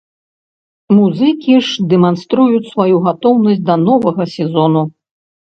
Музыкі ж дэманструюць сваю гатоўнасць да новага сезону.